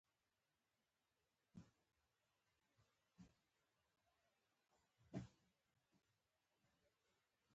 زه چې په تانده ځوانۍ کې د هنر میدان ته ورګډ شوم.